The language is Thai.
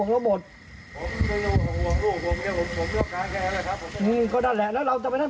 พ่อหยิบมีดมาขู่จะทำร้ายแม่แล้วขังสองแม่